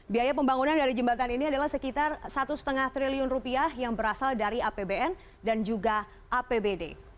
biaya pembangunan dari jembatan ini adalah sekitar satu lima triliun rupiah yang berasal dari apbn dan juga apbd